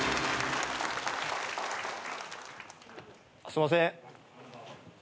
すいません。